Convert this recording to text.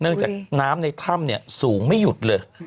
เนื่องจากน้ำในถ้ำสูงไม่หยุดเลย